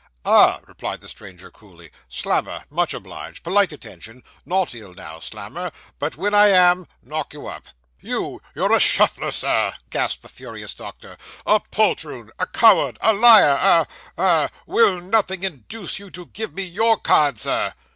'Ah!' replied the stranger coolly, 'Slammer much obliged polite attention not ill now, Slammer but when I am knock you up.' 'You you're a shuffler, sir,' gasped the furious doctor, 'a poltroon a coward a liar a a will nothing induce you to give me your card, sir!